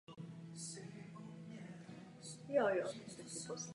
To je možnost, nikoliv povinnost.